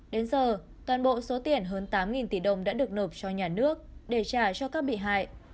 đến giờ toàn bộ số tiền hơn tám tỷ đồng đã được nộp cho nhà nước để trả cho các bị hại